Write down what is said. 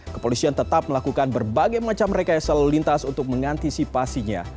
kepolisian tetap melakukan berbagai macam rekayasa lalu lintas untuk mengantisipasinya